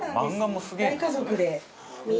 大家族で。